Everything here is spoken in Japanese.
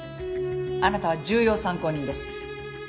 あなたは重要参考人です。